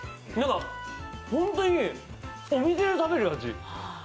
本当にお店で食べる味。